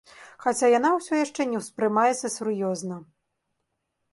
Хаця яна ўсё яшчэ не ўспрымаецца сур'ёзна.